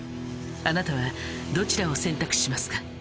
あなたはどちらを選択しますか？